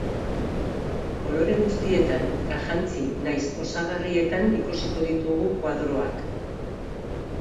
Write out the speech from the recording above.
Kolore guztietan eta jantzi nahiz osagarrietan ikusiko ditugu koadroak.